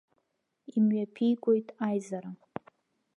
Имҩаԥигоит аизара.